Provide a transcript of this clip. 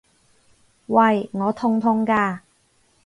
喂！我痛痛㗎！